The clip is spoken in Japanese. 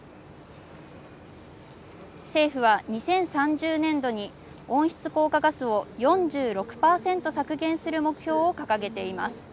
政府は２０３０年度に温室効果ガスを４６％削減する目標を掲げています。